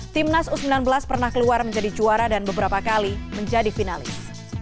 timnas u sembilan belas pernah keluar menjadi juara dan beberapa kali menjadi finalis